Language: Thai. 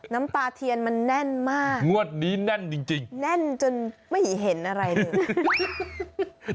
น้ำตาเทียนมันแน่นมากงวดนี้แน่นจริงแน่นจนไม่เห็นอะไรเลย